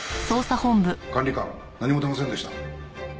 管理官何も出ませんでした。